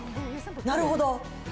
なるほど。